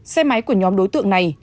xe máy của nhóm đối tượng này